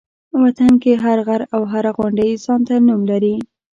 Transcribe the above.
وطن کې هر غر او هره غونډۍ ځان ته نوم لري.